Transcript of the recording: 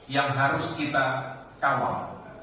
yang harus kita kawal